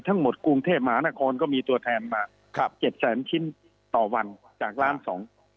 ทั้งหมดกรุงเทพฯหมานครก็มีตัวแทนมา๗แสนชิ้นต่อวันจากล้านสอง